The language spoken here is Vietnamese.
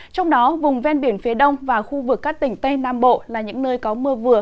trong đó vùng ven biển phía đông và khu vực các tỉnh tây nam bộ là những nơi có mưa vừa